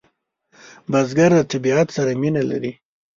بزګر د طبیعت سره مینه لري